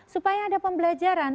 supaya ada pembelajaran